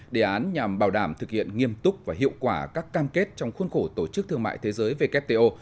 đề án nhằm bảo đảm thực hiện nghiêm túc và hiệu quả các cam kết trong khuôn khổ tổ chức thương mại thế giới wto